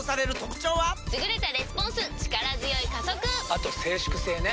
あと静粛性ね。